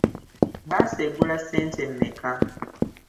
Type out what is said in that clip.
Bbaasi egula ssente mmeka?